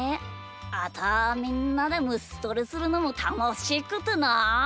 あとはみんなでむしとりするのもたのしくてなあ。